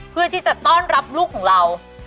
เพื่อที่จะต้อนรับลูกของเรา